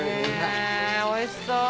おいしそう！